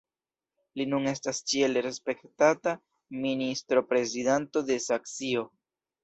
Li nun estas ĉiel respektata ministroprezidanto de Saksio.